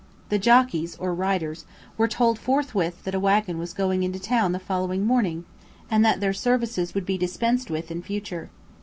The jockeys or riders were told forthwith that a waggon was going into town the following morning, and that their services would be dispensed with in future.